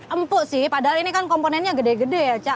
empuk sih padahal ini kan komponennya gede gede ya cak